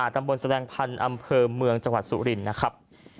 ตำบลแสดงพันธ์อำเภอเมืองจังหวัดสุรินทร์นะครับ